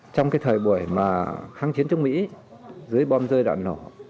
trong cái thời buổi mà kháng chiến trong mỹ dưới bom rơi đoạn nổ